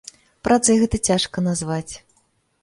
Працай гэта цяжка назваць.